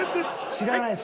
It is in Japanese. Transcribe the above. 知らないです